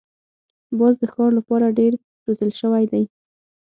باز د ښکار لپاره ډېر روزل شوی دی